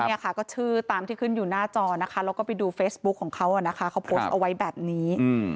ตันเนี่ยก็ชื่อตามที่ขึ้นอยู่หน้าจอแล้วก็ไปดูเฟซบุ๊กของเขาเอาไว้แบบนี้